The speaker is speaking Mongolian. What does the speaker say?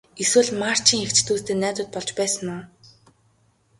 Эсвэл Марчийн эгч дүүстэй найзууд болж байсан уу?